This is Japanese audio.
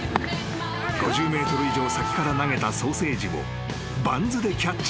［５０ｍ以上先から投げたソーセージをバンズでキャッチ］